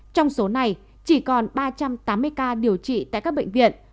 trong số này chỉ còn ba trăm tám mươi ca điều trị tại các bệnh viện